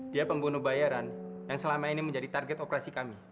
dia pembunuh bayaran yang selama ini menjadi target operasi kami